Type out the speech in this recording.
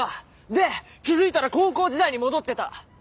で気付いたら高校時代に戻ってた。